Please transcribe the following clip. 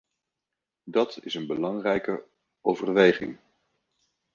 Dat is een belangrijke overweging.